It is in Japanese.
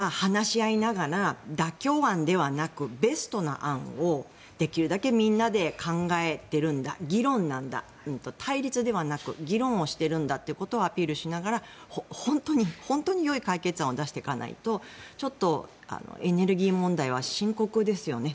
だからこそ例えば対ロシアに対してちゃんとＥＵは話し合いながら妥協案ではなくベストな案をできるだけみんなで考えているんだ議論なんだ、対立ではなく議論をしているんだということをアピールしながら本当によい解決案を出していかないとちょっと、エネルギー問題は深刻ですよね。